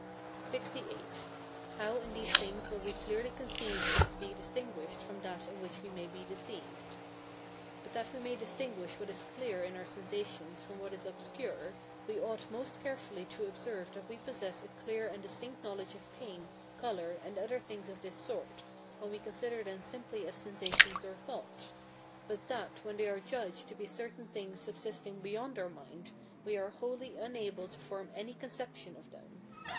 LXVIII. How in these things what we clearly conceive is to be distinguished from that in which we may be deceived. But that we may distinguish what is clear in our sensations from what is obscure, we ought most carefully to observe that we possess a clear and distinct knowledge of pain, colour, and other things of this sort, when we consider them simply as sensations or thoughts; but that, when they are judged to be certain things subsisting beyond our mind, we are wholly unable to form any conception of them.